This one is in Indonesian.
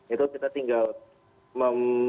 itu kita tinggal mem